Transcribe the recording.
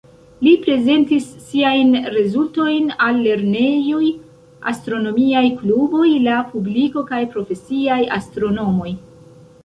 Li prezentis siajn rezultojn al lernejoj, astronomiaj kluboj, la publiko kaj profesiaj astronomoj.